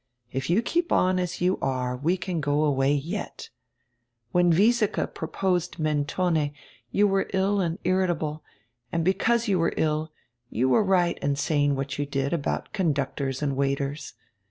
If you keep on as you are we can go away yet. When Wiesike proposed Mentone you were ill and irritable, and because you were ill, you were right in saying what you did about conductors and waiters.